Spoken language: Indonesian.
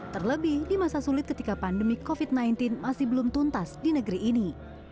terlebih di masa sulit ketika pandemi covid sembilan belas masih belum tuntas di negeri ini